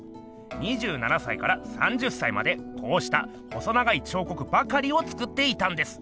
２７歳から３０歳までこうした細長い彫刻ばかりを作っていたんです。